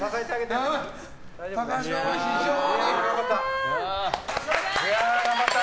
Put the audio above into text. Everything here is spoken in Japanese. いやー、頑張った！